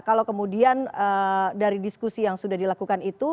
kalau kemudian dari diskusi yang sudah dilakukan itu